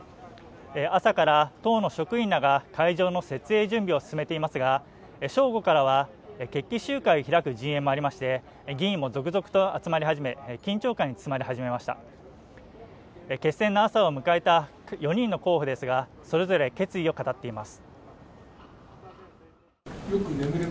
朝から党の職員らが会場の設営準備を進めていますが正午からはへ決起集会を開く陣営もありまして議員も続々と集まり始め緊張感に包まれ始めました決戦の朝を迎えた４人の候補ですがそれぞれ決意を語っています